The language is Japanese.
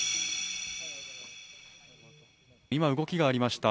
今、動きがありました。